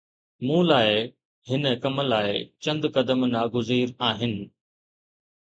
مون لاءِ، هن ڪم لاءِ چند قدم ناگزير آهن.